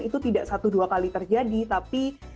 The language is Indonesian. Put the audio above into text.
itu tidak satu dua kali terjadi tapi